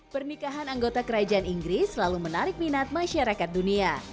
pernikahan anggota kerajaan inggris selalu menarik minat masyarakat dunia